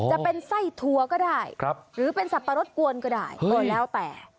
จะเป็นไส้ทัวก็ได้หรือเป็นสับปะรดกวนก็ได้ก็แล้วแต่